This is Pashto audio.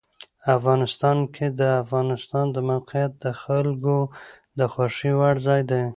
افغانستان کې د افغانستان د موقعیت د خلکو د خوښې وړ ځای دی.